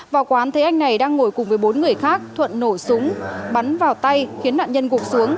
vào quán thấy anh này đang ngồi cùng với bốn người khác thuận nổ súng bắn vào tay khiến nạn nhân gục xuống